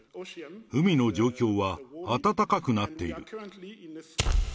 海の状況は暖かくなっている。